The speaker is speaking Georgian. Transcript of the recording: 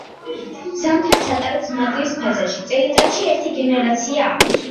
ზამთარს ატარებს მატლის ფაზაში, წელიწადში ერთი გენერაცია აქვს.